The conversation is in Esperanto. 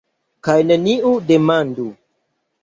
Kaj neniu demandu.